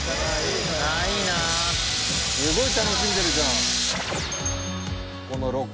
すごい楽しんでるじゃん。